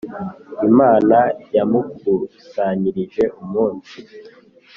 imana yamukusanyirije umunsi.